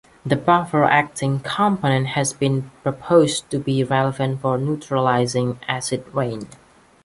The buffer acting component has been proposed to be relevant for neutralizing acid rain.